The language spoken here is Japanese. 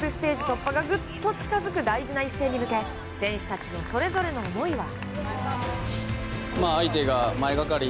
突破がぐっと近づく大事な一戦に向け選手たちのそれぞれの思いは。